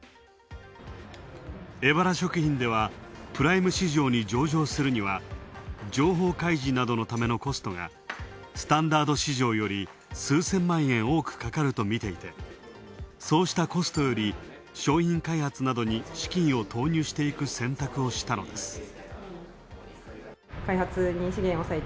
エバラ食品では、プライム市場に上場するには、情報開示のためのコストがスタンダード市場より数千万円、多くかかるとみていてそうしたコストより、商品開発などに資金を投入していく選択をしたのです。